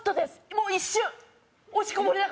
もう一瞬！